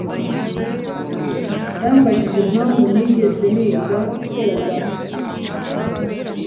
yambajije impamvu ntigeze niga koga.